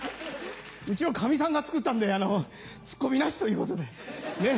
うちのかみさんが作ったんでツッコミなしということでねっ。